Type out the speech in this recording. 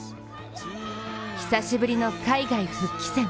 久しぶりの海外復帰戦。